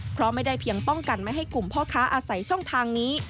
เพราะไม่ได้เพียงป้องกันไม่ให้กลุ่มพ่อค้าอาศัยช่องทางนี้